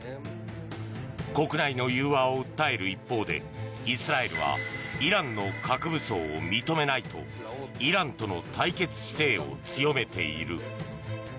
国内の融和を訴える一方でイスラエルはイランの核武装を認めないとイランとの対決姿勢を強めている。